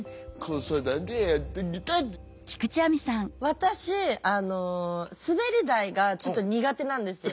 私あの滑り台がちょっと苦手なんですよ。